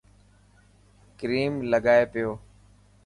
ڪريم لگائي پيو.